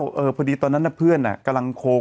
เมื่อเมื่อกี้พื้นตอนนั้นกำลังโคลก